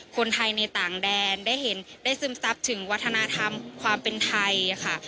คนไทยในต่างแดนได้เห็นได้ซึมซับถึงวัฒนธรรมความเป็นไทยค่ะ